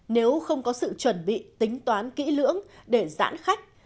nếu không có sự chuẩn bị tính toán kỹ lưỡng để giãn khách